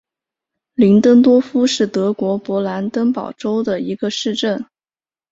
林登多夫是德国勃兰登堡州的一个市镇。